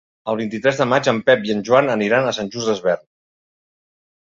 El vint-i-tres de maig en Pep i en Joan aniran a Sant Just Desvern.